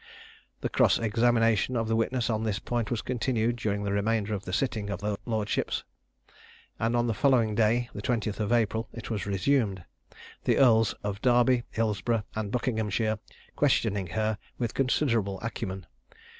The cross examination of the witness on this point was continued during the remainder of the sitting of their lordships; and on the following day (the 20th of April) it was resumed, the Earls of Derby, Hilsborough, and Buckinghamshire questioning her with considerable acumen.